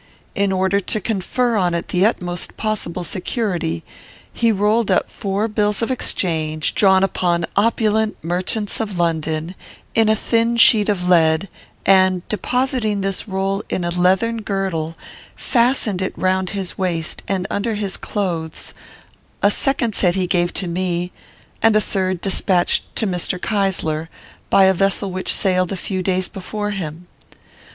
In order to confer on it the utmost possible security, he rolled up four bills of exchange, drawn upon opulent, merchants of London, in a thin sheet of lead, and, depositing this roll in a leathern girdle, fastened it round his waist, and under his clothes; a second set he gave to me, and a third he despatched to Mr. Keysler, by a vessel which sailed a few days before him.